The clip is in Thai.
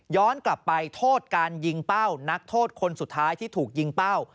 กลับไปโทษการยิงเป้านักโทษคนสุดท้ายที่ถูกยิงเป้า